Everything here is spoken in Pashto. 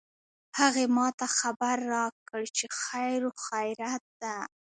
هغې ما ته خبر راکړ چې خیر او خیریت ده